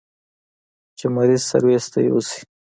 چې مريض سرويس ته يوسي.